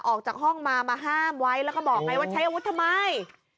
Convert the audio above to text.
ออกจากห้องมามาห้ามไว้แล้วก็บอกไงว่าใช้อาวุธทำไม